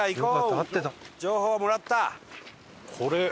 情報もらった！